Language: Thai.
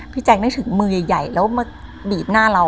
แจ๊คนึกถึงมือใหญ่แล้วมาบีบหน้าเรา